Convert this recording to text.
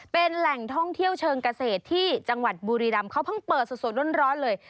เป็นแหล่งท่องเที่ยวเชิงเกษตรที่จังหวัดบุรีรำเขาเพิ่งเปิดสดร้อนเลย